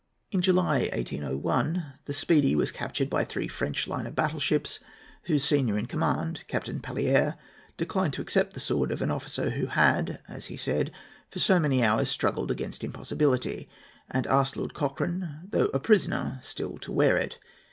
In July, 1801, the Speedy was captured by three French line of battle ships, whose senior in command, Captain Pallière, declined to accept the sword of an officer "who had," as he said, "for so many hours struggled against impossibility," and asked Lord Cochrane, though a prisoner, still to wear it.